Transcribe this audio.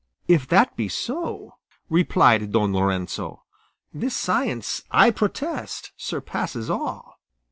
"If that be so," replied Don Lorenzo, "this science, I protest, surpasses all."